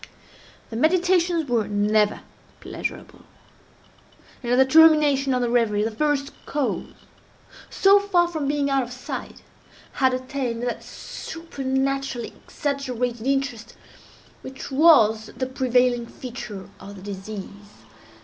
The meditations were never pleasurable; and, at the termination of the reverie, the first cause, so far from being out of sight, had attained that supernaturally exaggerated interest which was the prevailing feature of the disease.